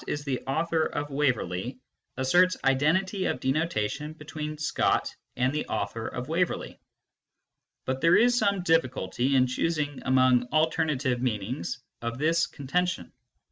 226 MYSTICISM AND LOGIC Waverley " asserts identity of denotation between Scott and the author of Waverley. But there is some difficulty in choosing among alternative meanings of this con tention.